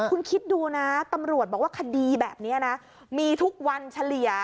คุณคิดดูนะตำรวจบอกว่าคดีแบบนี้นะมีทุกวันเฉลี่ย